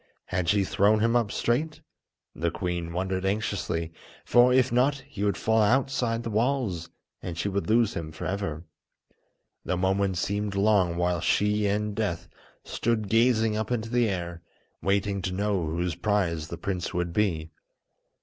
Had she thrown him up straight? the queen wondered anxiously, for, if not, he would fall outside the walls, and she would lose him for ever. The moments seemed long while she and Death stood gazing up into the air, waiting to know whose prize the prince would be.